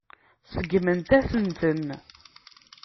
Seggment-asen-ten.